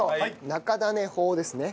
中種法ですね？